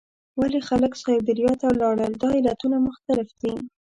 ولې خلک سابیریا ته لاړل؟ دا علتونه مختلف دي.